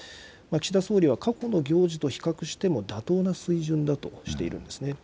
岸田総理は過去の行事と比較しても妥当な水準だとしているんですね。